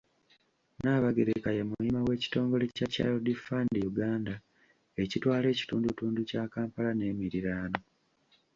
Nnaabagereka ye muyima w’ekitongole kya Child Fund Uganda ekitwala ekitundutundu kya Kampala n’emiriraano.